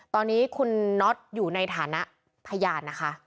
ตอนนี้คุณน็อตอยู่ในฐานะพยานนะคะ